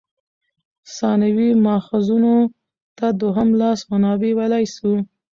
ثانوي ماخذونو ته دوهم لاس منابع ویلای سو.